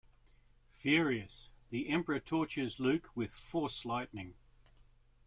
Furious, the Emperor tortures Luke with Force lightning.